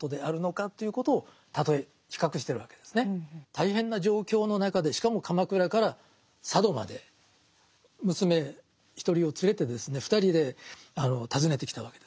大変な状況の中でしかも鎌倉から佐渡まで娘１人を連れてですね２人で訪ねてきたわけですね。